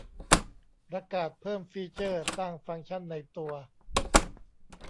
ประกาศเพิ่มฟีเจอร์สร้างฟังก์ชั่นในตัว